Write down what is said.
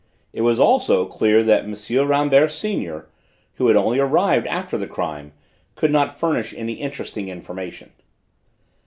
It was, also, clear that M. Rambert senior, who had only arrived after the crime, could not furnish any interesting information.